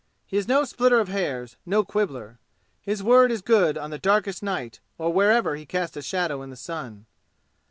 He is no splitter of hairs, no quibbler. His word is good on the darkest night or wherever he casts a shadow in the sun.